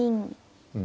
うん。